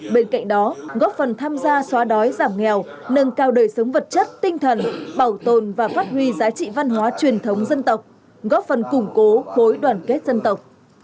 bên cạnh đó góp phần tham gia xóa đói giảm nghèo nâng cao đời sống vật chất tinh thần bảo tồn và phát huy giá trị văn hóa truyền thống dân tộc góp phần củng cố khối đoàn kết dân tộc